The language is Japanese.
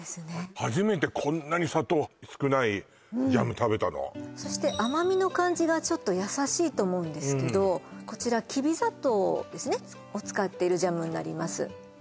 初めてこんなに砂糖少ないジャム食べたのそして甘みの感じがちょっと優しいと思うんですけどこちらきび砂糖ですねを使ってるジャムになります